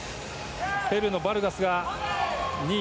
ペルーのバルガスが２位。